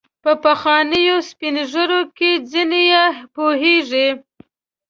په پخوانیو سپین ږیرو کې ځینې یې پوهیږي.